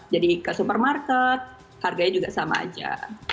jadi ke supermarket harganya juga sama aja